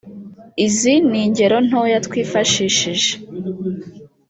Izi ni ingero ntoya twifashishije